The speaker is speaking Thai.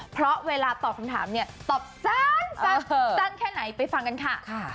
เพราะเวลาตอบคำถามเนี่ยตอบสั้นแค่ไหนไปฟังกันค่ะ